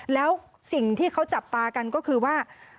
แล้วสิ่งที่เขาจับตากันก็คือว่า